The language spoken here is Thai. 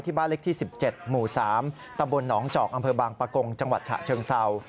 บ้านเล็กที่๑๗หมู่๓ตำบลหนองจอกอำเภอบางปะกงจังหวัดฉะเชิงเศร้า